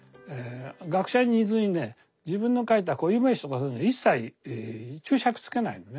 学者に似ずにね自分の書いた固有名詞とかそういうの一切注釈つけないのね。